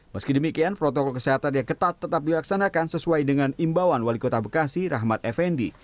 meski demikian protokol kesehatan yang ketat tetap dilaksanakan sesuai dengan imbauan wali kota bekasi rahmat effendi